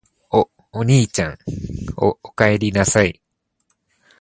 お、おにいちゃん・・・お、おかえりなさい・・・